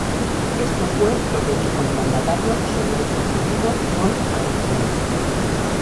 Esto fue lo que dijo el mandatario sobre lo sucedido con Arizmendi.